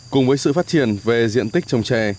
cùng với sự phát triển về diện tích trồng trè